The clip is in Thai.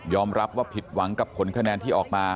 รับว่าผิดหวังกับผลคะแนนที่ออกมา